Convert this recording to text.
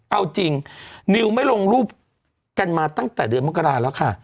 เอาจริงนิวไม่ลงรูปกันมาตั้งแต่เดือนมกราแล้วค่ะ